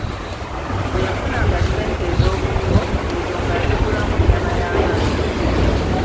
Bwe yafunanga ssente ez'obuliwo, ezo ng'azigulamu nnyama y'abaana.